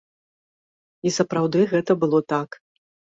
І, сапраўды, гэта было так.